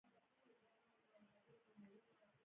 بهلول وویل: زه نه غواړم چې اس درکړم.